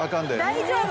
大丈夫？